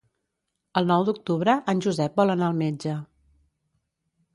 El nou d'octubre en Josep vol anar al metge.